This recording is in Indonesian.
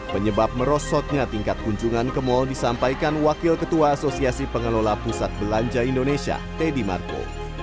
penyebab merosotnya tingkat kunjungan ke mal disampaikan wakil ketua asosiasi pengelola pusat belanja indonesia teddy marco